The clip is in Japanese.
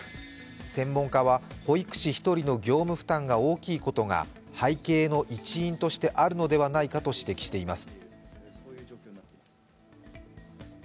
専門家は保育士１人の業務負担が大きいことが背景の一因としてあるのではないかと指摘しています。